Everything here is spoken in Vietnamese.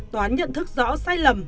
toán nhận thức rõ sai lầm